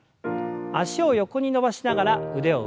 脚を横に伸ばしながら腕を上。